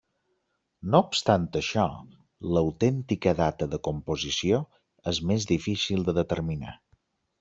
No obstant això, l'autèntica data de composició és més difícil de determinar.